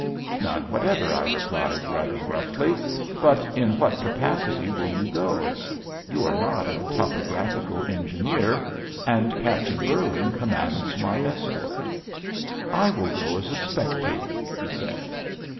"None whatever," I replied rather gruffly; "but in what capacity will you go? You are not a topographical engineer, and Captain Burling commands my escort." "I will go as a spectator," he said.